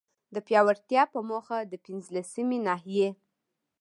د پياوړتيا په موخه، د پنځلسمي ناحيي